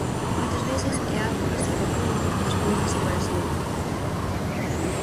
Moitas veces é algo que se recrúa despois da separación.